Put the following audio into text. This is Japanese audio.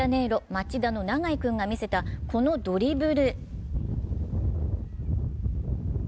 町田の長井君が見せた、このドリブル。